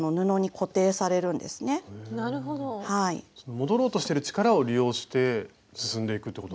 戻ろうとしてる力を利用して進んでいくってこと。